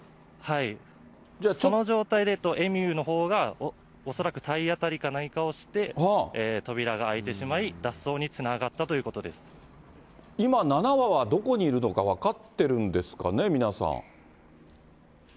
その状態で、エミューのほうが、恐らく体当たりか何かをして、扉が開いてしまい、今、７羽はどこにいるのか、分かってるんですかね、皆さん。